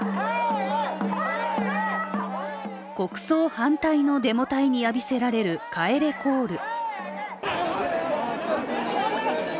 国葬反対のデモ隊に浴びせられる帰れコール。